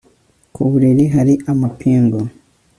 Ku buriri hari amapingu